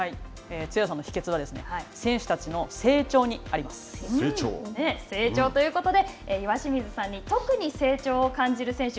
強さの秘けつは成長ということで、岩清水さんに、特に成長を感じる選手